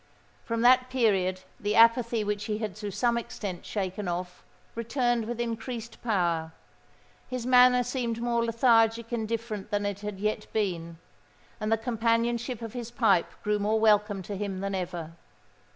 From that period the apathy which he had to some extent shaken off, returned with increased power: his manner seemed more lethargic and indifferent than it had yet been; and the companionship of his pipe grew more welcome to him than ever.